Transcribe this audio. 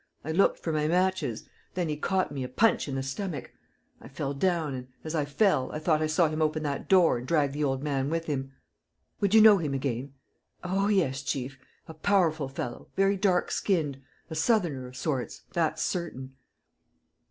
... I looked for my matches ... Then he caught me a punch in the stomach. ... I fell down, and, as I fell, I thought I saw him open that door and drag the old man with him. ..." "Would you know him again?" "Oh yes, chief ... a powerful fellow, very dark skinned ... a southerner of sorts, that's certain.